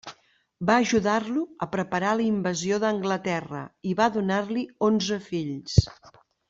Va ajudar-lo a preparar la invasió d'Anglaterra i va donar-li onze fills.